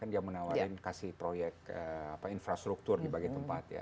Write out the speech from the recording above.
dia menawarkan kasih proyek infrastruktur di bagian tempat ya